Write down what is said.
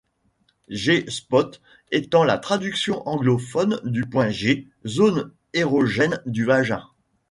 G-spot étant la traduction anglophone du point G, zone érogène du vagin.